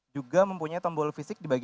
juga mempunyai tombol fisik di bagian bawah